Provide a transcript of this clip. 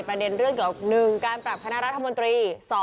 ประเด็นเรื่องเกี่ยวกับ๑การปรับคณะรัฐมนตรี